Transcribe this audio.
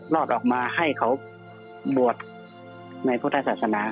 รอดออกมาให้เขาบวชในพุทธศาสนา